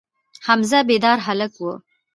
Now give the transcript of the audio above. حمزه بیداره هلک و.